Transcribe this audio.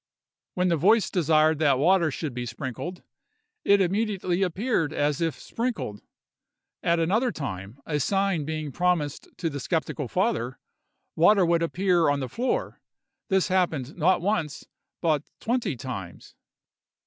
When the voice desired that water should be sprinkled, it immediately appeared as if sprinkled. At another time, a sign being promised to the skeptical father, water would suddenly appear on the floor; this happened "not once, but twenty times."